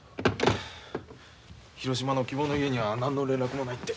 広島の希望の家には何の連絡もないって。